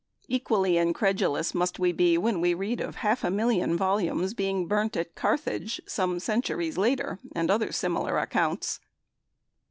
Equally incredulous must we be when we read of half a million volumes being burnt at Carthage some centuries later, and other similar accounts.